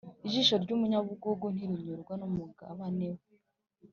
Ijisho ry’umunyabugugu ntirinyurwa n’umugabane we,